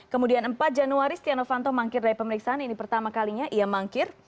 kemudian empat januari setia novanto mangkir dari pemeriksaan ini pertama kalinya ia mangkir